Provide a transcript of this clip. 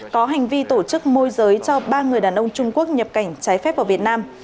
có hành vi tổ chức môi giới cho ba người đàn ông trung quốc nhập cảnh trái phép vào việt nam